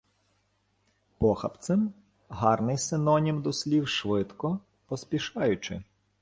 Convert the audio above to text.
Похапцем – гарний синонім до слів швидко, поспішаючи.